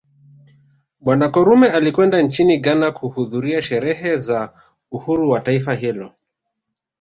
Bwana Karume alikwenda nchini Ghana kuhudhuria sherehe za uhuru wa taifa hilo